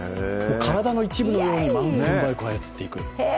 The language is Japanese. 体の一部のようにマウンテンバイクを操っていく。